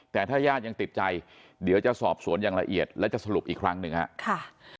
แต่ถ้าญาติยังติดใจเดี๋ยวจะสอบสวนอย่างละเอียดและจะสรุปอีกครั้งหนึ่งครับ